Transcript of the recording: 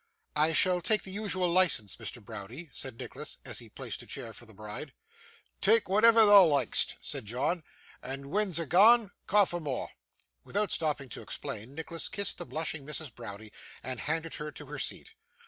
'I shall take the usual licence, Mr. Browdie,' said Nicholas, as he placed a chair for the bride. 'Tak' whatever thou like'st,' said John, 'and when a's gane, ca' for more.' Without stopping to explain, Nicholas kissed the blushing Mrs. Browdie, and handed her to her seat.